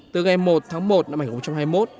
từ ngày một tháng một năm hai nghìn hai mươi một